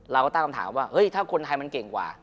เราก็ตั้งคำถามว่าเฮ้ยถ้าคนไทยมันเก่งกว่า